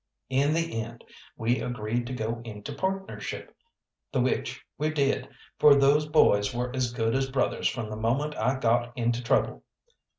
In the end we agreed to go into partnership, the which we did, for those boys were as good as brothers from the moment I got into trouble.